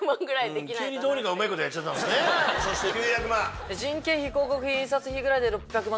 そして「９００万」。